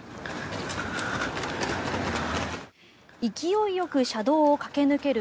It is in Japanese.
勢いよく車道を駆け抜ける